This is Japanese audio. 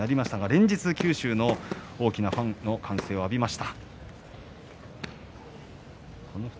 連日、九州の大きなファンの歓声を浴びています。